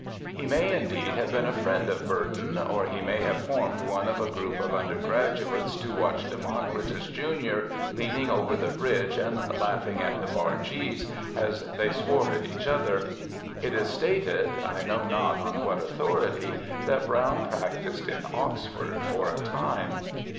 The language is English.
He may, indeed, have been a friend of Burton, or he may have formed one of a group of undergraduates to watch Democritus Junior leaning over the bridge and laughing at the bargees as they swore at each other. It is stated, I know not on what authority, that Browne practised in Oxford for a time.